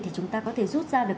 thì chúng ta có thể rút ra được